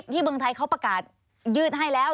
เมืองไทยเขาประกาศยืดให้แล้ว